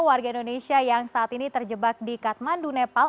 warga indonesia yang saat ini terjebak di kathmandu nepal